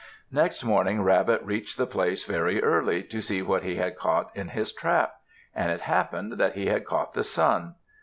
Next morning Rabbit reached the place very early, to see what he had caught in his trap. And it happened that he had caught the Sun.